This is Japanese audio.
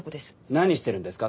何してるんですか？